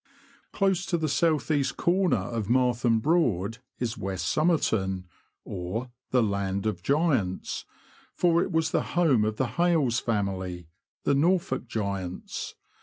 Close to the south east corner of Martham Broad is West Somerton, or the '' Land of Giants," for it was the home of the Hales family — the Norfolk giants.